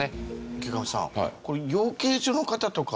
池上さん。